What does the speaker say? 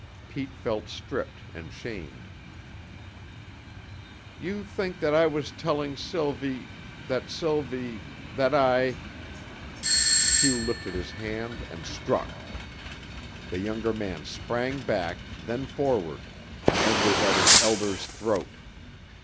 Pete felt stripped and shamed. "You think that I was telling Sylvie, that Sylvie that I " Hugh lifted his hand and struck. The younger man sprang back, then forward, and was at his elder's throat.